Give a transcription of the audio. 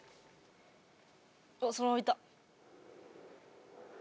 おそのままいった！